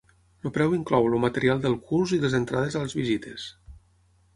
El preu inclou el material del curs i les entrades a les visites.